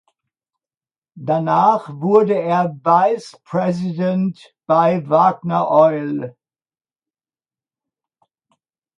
Danach wurde er "Vice President" bei "Wagner Oil".